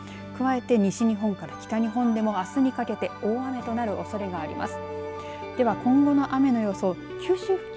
加えて、西日本から北日本でもあすにかけて大雨となるおそれがあります。